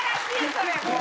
それもう。